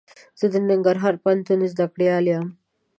زه د ننګرهار پوهنتون زده کړيال يم.